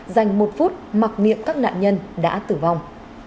dành một phút mặc niệm các nạn nhân đã tử vong